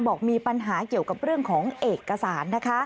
บอกมีปัญหาเกี่ยวกับเรื่องของเอกสารนะคะ